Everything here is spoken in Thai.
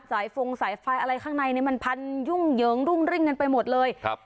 ฟงสายไฟอะไรข้างในเนี่ยมันพันยุ่งเหยิงรุ่งริ่งกันไปหมดเลยครับ